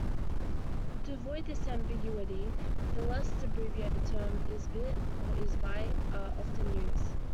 To avoid this ambiguity, the less abbreviated terms "lsbit" or "lsbyte" are often used.